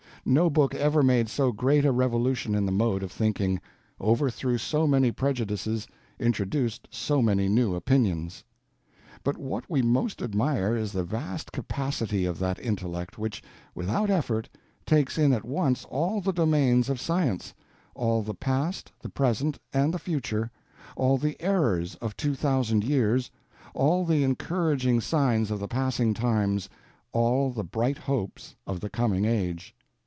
No book ever made so great a revolution in the mode of thinking, overthrew so may prejudices, introduced so many new opinions. But what we most admire is the vast capacity of that intellect which, without effort, takes in at once all the domains of science—all the past, the present and the future, all the errors of two thousand years, all the encouraging signs of the passing times, all the bright hopes of the coming age.